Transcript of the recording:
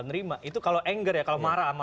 menerima itu kalau anger ya kalau marah